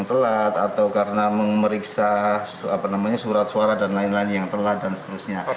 telat atau karena memeriksa surat suara dan lain lain yang telat dan seterusnya